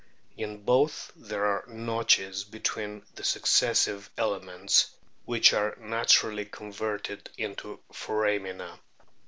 In both there are notches between the successive ele ments, which are naturally converted into foramina.